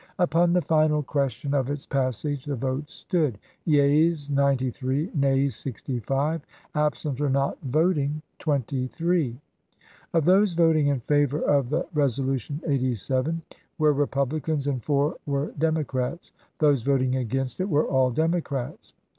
Upon the final question of its passage the vote stood : yeas, nine ty three; nays, sixty five; absent or not voting, 1864. 78 ABEAHAM LINCOLN chap. iv. twenty three. Of those voting in favor of the Res olution eighty seven were Republicans and four were Democrats.1 Those voting against it were all Democrats.